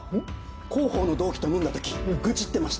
広報の同期と飲んだ時愚痴ってました。